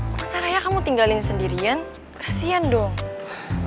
masa rayah kamu tinggalin sendirian kasian dong